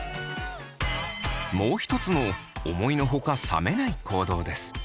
もう一つの思いのほか冷めない行動です。